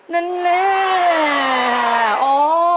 นั่นแหละ